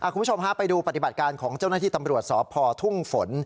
คุณผู้ชมฮะไปดูปฏิบัติการของเจ้าหน้าที่ตำรวจสพทุ่งฝน